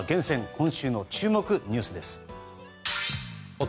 今週の注目ニュース。